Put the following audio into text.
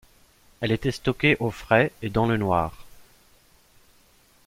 Elle était stockée au frais et dans le noir.